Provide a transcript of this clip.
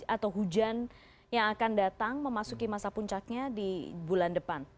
atau hujan yang akan datang memasuki masa puncaknya di bulan depan